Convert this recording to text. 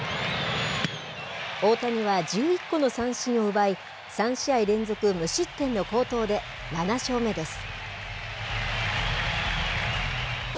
大谷は１１個の三振を奪い、３試合連続無失点の好投で、７勝目です。